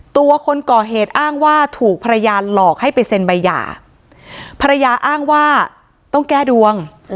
ตัวคนก่อเหตุอ้างว่าถูกภรรยาหลอกให้ไปเซ็นใบหย่าภรรยาอ้างว่าต้องแก้ดวง